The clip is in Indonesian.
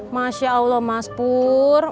masya allah mas pur